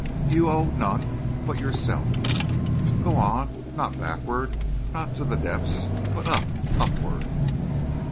You owe none but yourself!... Go on! Not backward—not to the depths—but up—upward!"